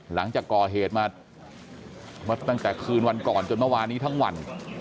หลังจากก่อเหตุมาตั้งแต่คืนวันก่อนจนเมื่อวานนี้ทั้งวัน